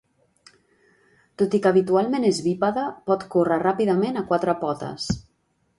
Tot i que habitualment és bípede, pot córrer ràpidament a quatre potes.